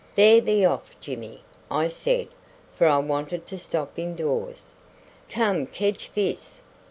"There, be off Jimmy," I said, for I wanted to stop indoors. "Come kedge fis."